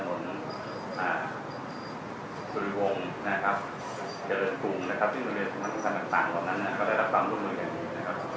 ส่วนสุริวงศ์เจริญภูมิซึ่งมันมีความต่างเพราะนั้นก็ได้รับความรู้มืออย่างนี้